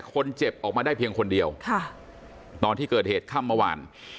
คนเจ็บออกมาได้เพียงคนเดียวตอนที่เกิดเหตุค่ำเมื่อวาน